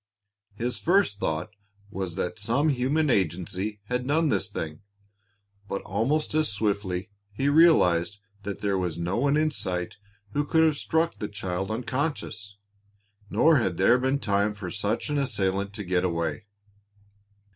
His first thought was that some human agency had done this thing, but almost as swiftly he realized that there was no one in sight who could have struck the child unconscious, nor had there been time for such an assailant to get away.